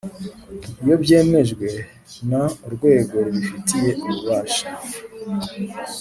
Iyo byemejwe n,urwego rubifitiye ububasha.